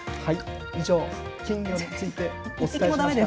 以上、金魚文化について、お伝えしました。